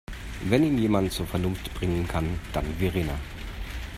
Wenn ihn jemand zur Vernunft bringen kann, dann Verena.